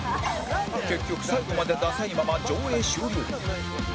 結局最後までダサいまま上映終了